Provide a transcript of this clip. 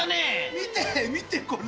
見て見てこれ！